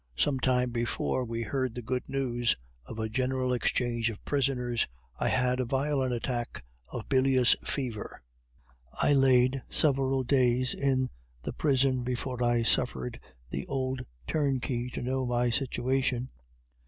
Some time before we heard the good news of a general exchange of prisoners, I had a violent attack of billious fever. I laid several days in the prison before I suffered the old turnkey to know my situation.